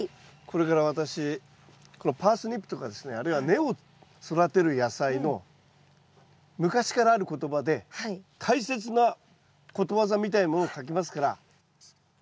これから私このパースニップとかですねあるいは根を育てる野菜の昔からある言葉で大切なことわざみたいなものを書きますから。